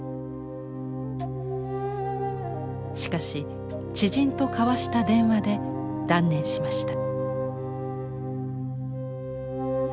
しかし知人と交わした電話で断念しました。